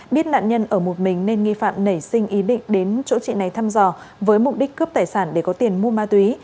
biết nạn nhân ở một mình nên nghi phạm nảy sinh ý định đến chỗ chị này thăm dò với mục đích cướp tài sản để có tiền mua ma túy